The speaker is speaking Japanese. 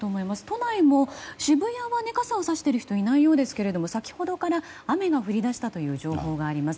都内も渋谷は傘をさしている人はいないようですが先ほどから雨が降り出したという情報があります。